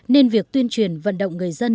nên việc tuyên truyền vận động người dân